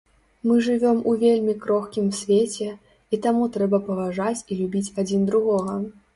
Мы жывём у вельмі крохкім свеце, і таму трэба паважаць і любіць адзін другога.